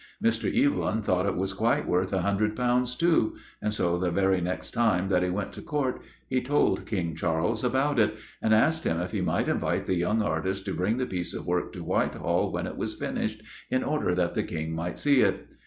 Mr. Evelyn thought that it was quite worth a hundred pounds too, and so the very next time that he went to Court he told King Charles about it, and asked him if he might invite the young artist to bring the piece of work to Whitehall when it was finished, in order that the King might see it.